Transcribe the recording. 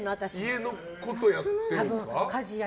家のことやってるんですか？